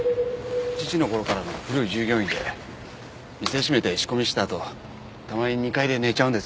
父の頃からの古い従業員で店閉めて仕込みしたあとたまに２階で寝ちゃうんです。